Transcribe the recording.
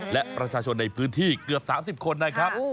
และประชาชนในพื้นที่เกือบ๓๐คนนะครับ